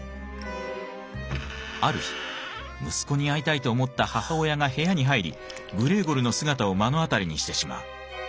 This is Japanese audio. ある日息子に会いたいと思った母親が部屋に入りグレーゴルの姿を目の当たりにしてしまう。